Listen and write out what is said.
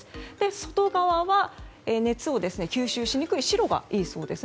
外側は熱を吸収しにくい白がいいそうです。